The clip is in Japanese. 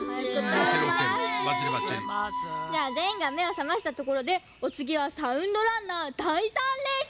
ではぜんいんがめをさましたところでおつぎは「サウンドランナー」だい３レース！